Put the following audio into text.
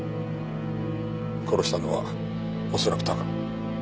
殺したのは恐らくタカ。